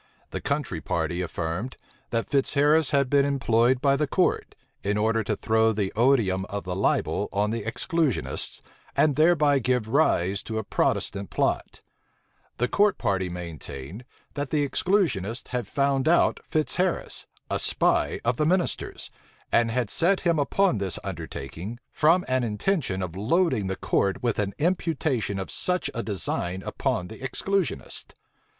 The country party affirmed, that Fitzharris had been employed by the court, in order to throw the odium of the libel on the exclusionists, and thereby give rise to a Protestant plot: the court party maintained, that the exclusionists had found out Fitzharris, a spy of the ministers, and had set him upon this undertaking, from an intention of loading the court with the imputation of such a design upon the exclusionists.